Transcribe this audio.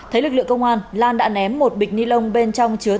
thấy lực lượng công an lan đã ném một bịch ni lông bên trong chứa